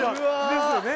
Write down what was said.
ですよね